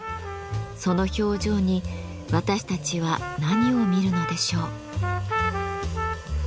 その表情に私たちは何を見るのでしょう。